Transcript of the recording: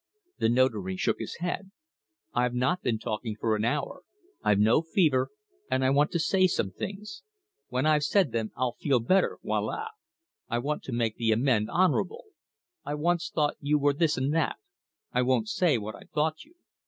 The Notary shook his head. "I've not been talking for an hour, I've no fever, and I want to say some things. When I've said them, I'll feel better voila! I want to make the amende honorable. I once thought you were this and that I won't say what I thought you.